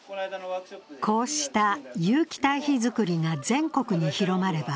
こうした有機堆肥作りが全国に広まれば、